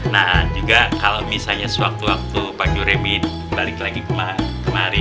nah juga kalau misalnya suatu waktu pak juremi kembali lagi kemari